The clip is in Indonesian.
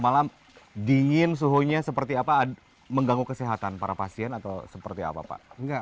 malam dingin suhunya seperti apa mengganggu kesehatan para pasien atau seperti apa pak enggak